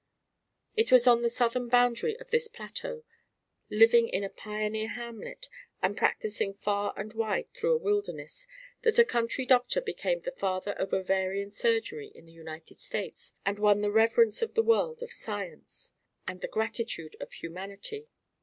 It was on the southern boundary of this plateau, living in a pioneer hamlet and practising far and wide through a wilderness, that a country doctor became the father of ovarian surgery in the United States and won the reverence of the world of science and the gratitude of humanity.